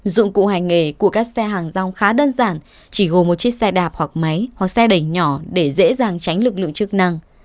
dụng cụ hành nghề của các xe hàng rong khá đơn giản chỉ gồm một chiếc xe đạp hoặc máy hoặc xe đẩy nhỏ để dễ dàng tránh lực lượng chức năng